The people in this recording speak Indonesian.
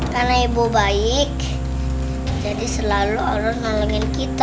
karena ibu baik jadi selalu allah nolongin kita